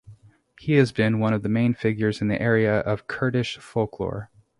He has been one of the main figures in the area of Kurdish folklore.